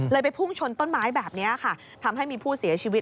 ไปพุ่งชนต้นไม้แบบนี้ค่ะทำให้มีผู้เสียชีวิต